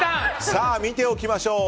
さあ、見ておきましょう。